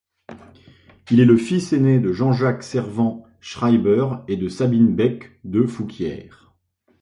Il est le fils aîné de Jean-Jacques Servan-Schreiber et de Sabine Becq de Fouquières.